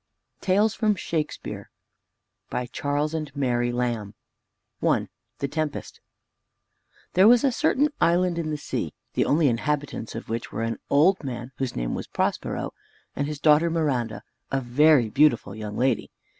TALES FROM SHAKESPEARE By CHARLES AND MARY LAMB I THE TEMPEST There was a certain island in the sea, the only inhabitants of which were an old man, whose name was Prospero, and his daughter Miranda, a very beautiful young lady.